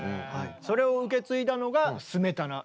それを受け継いだのがスメタナ。